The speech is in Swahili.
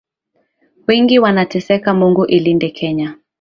Wengi wanateseka, Mungu ilinde Kenya.